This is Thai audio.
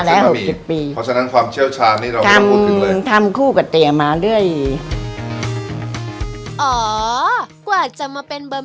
เลิกทำอายุประมาณ๒๑